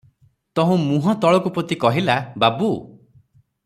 ତହୁଁ ମୁହଁ ତଳକୁ ପୋତି କହିଲା- "ବାବୁ!